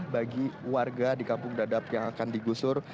bagi warga di kampung dadap yang akan digusur